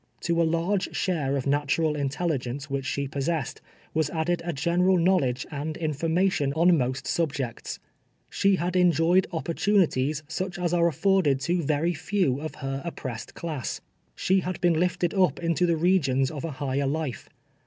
To a large share of natural intelligence which she possess ed, was added a general knowledge and information on most subjects. She had enjoyed opportunities sncli as are alforded ot very few of her oppressed class. She had been lifted up into the regions of a higher life.